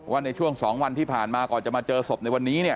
ในช่วง๒วันที่ผ่านมาก่อนจะมาเจอศพในวันนี้เนี่ย